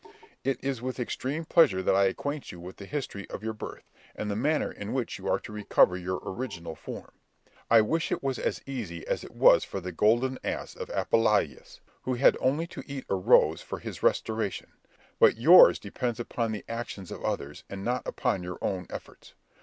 It is with extreme pleasure I acquaint you with the history of your birth, and the manner in which you are to recover your original form. I wish it was as easy as it was for the golden ass of Apuleius, who had only to eat a rose for his restoration; but yours depends upon the actions of others, and not upon your own efforts.